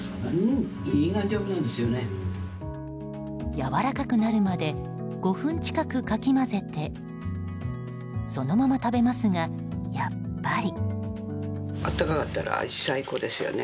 やわらかくなるまで５分近くかき混ぜてそのまま食べますが、やっぱり。